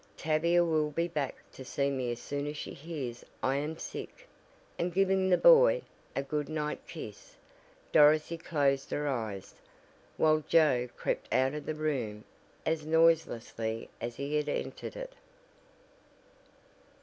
Tavia will be back to see me as soon as she hears I am sick," and, giving the boy a good night kiss, Dorothy closed her eyes, while Joe crept out of the room as noiselessly as he had entered it.